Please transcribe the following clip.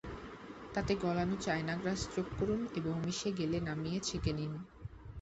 তাতে গলানো China grass যোগ করুন এবং মিশে গেলে নামিয়ে ছেঁকে নিন।